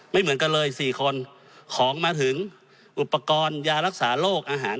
ไม่เหมือนกันเลย๔คนของมาถึงอุปกรณ์ยารักษาโรคอาหาร